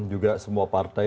juga semua partai